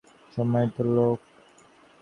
Allen, তুমি সম্মানিত লোক।